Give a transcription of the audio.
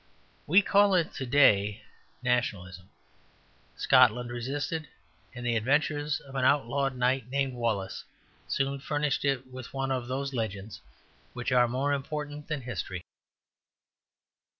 We call it to day Nationalism. Scotland resisted; and the adventures of an outlawed knight named Wallace soon furnished it with one of those legends which are more important than history.